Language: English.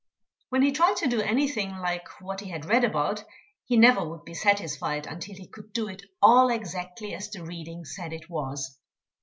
When he tried to do anything like what he had read about, he never would be satisfied until he could do it all exactly as the reading said it was.